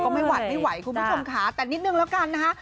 ไม่หวัดไม่ไหวคุณผู้ชมค่ะแต่นิดนึงแล้วกันนะคะ